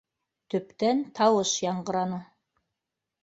Төптән тауыш яңғыраны: